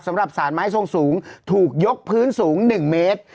สำหรับสารไม้ทรงสูงถูกยกพื้นสูง๑เมตร